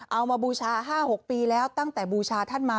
มาบูชา๕๖ปีแล้วตั้งแต่บูชาท่านมา